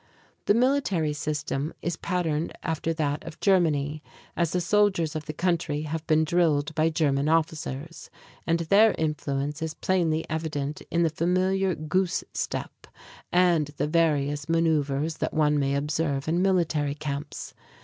The military system is patterned after that of Germany, as the soldiers of the country have been drilled by German officers, and their influence is plainly evident in the familiar goose step and the various manœuvers that one may observe in military camps.